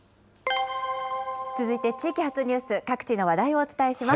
続いて地域発ニュース、各地の話題をお伝えします。